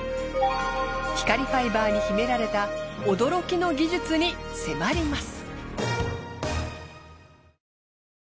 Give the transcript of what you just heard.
光ファイバーに秘められた驚きの技術に迫ります。